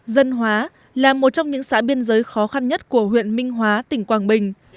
dân hóa là một trong những xã biên giới khó khăn nhất của huyện minh hóa tỉnh quảng bình